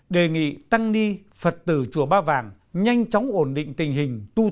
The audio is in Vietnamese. đề nghị tăng ni phật tử chùa ba vàng nhanh chóng ổn định tình hình tu